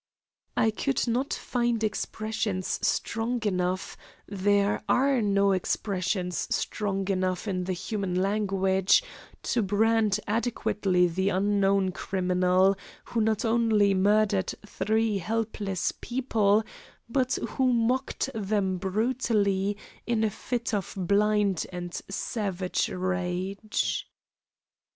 I could not find expressions strong enough there are no expressions strong enough in the human language to brand adequately the unknown criminal, who not only murdered three helpless people, but who mocked them brutally in a fit of blind and savage rage.